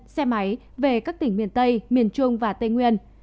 xe máy về các tỉnh miền tây miền trung và tây nguyên